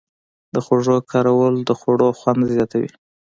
د خوږو کارول د خوړو خوند زیاتوي.